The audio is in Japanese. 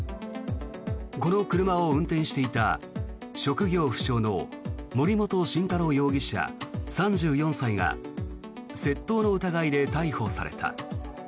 この車を運転していた職業不詳の森本晋太郎容疑者、３４歳が窃盗の疑いで逮捕された。